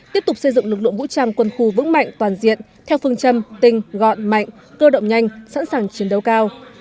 tiếp tục xây dựng lực lượng vũ trang quân khu vững mạnh toàn diện theo phương châm tinh gọn mạnh cơ động nhanh sẵn sàng chiến đấu cao